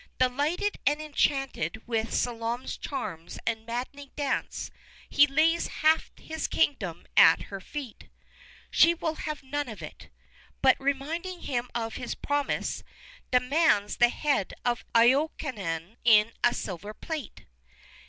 Delighted and enchanted with Salome's charms and maddening dance, he lays half his kingdom at her feet. She will have none of it, but, reminding him of his promise, demands the head of Iokanaan in a silver plate.